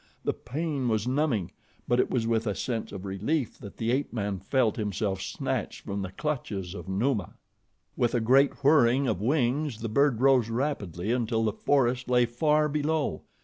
The pain was numbing; but it was with a sense of relief that the ape man felt himself snatched from the clutches of Numa. With a great whirring of wings the bird rose rapidly until the forest lay far below.